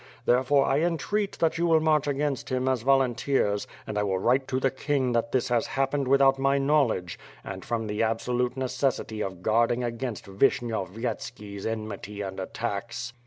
Therefore I entreat that you will march against him as vol unteers and I will write to the king that this has happened without my knowledge, and from the absolute necessity of guarding against Vishnyovyetski's enmity and attacks."